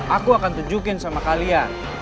aku akan tunjukin sama kalian